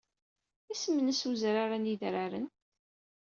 Isem-nnes wezrar-a n yedraren?